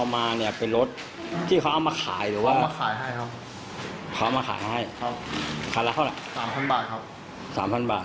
๓๐๐๐บาทครับ